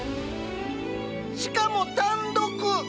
しかも単独！